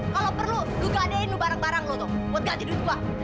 kalo perlu gua gadein lo barang barang lo tuh buat ganti duit gua